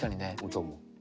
音も。